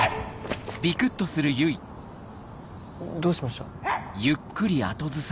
どうしました？